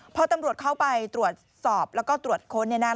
พอตำรวจเข้าไปตรวจสอบและก็ตรวจโคนในนาง